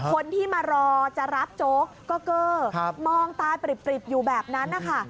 คนที่มารอจะรับโจ๊กก็เกอร์มองตายปริบอยู่แบบนั้นนะคะ